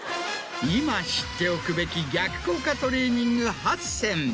今知っておくべき逆効果トレーニング８選。